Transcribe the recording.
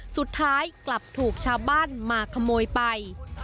สุดท้ายกลับถูกชาวบ้านมาขโมยไป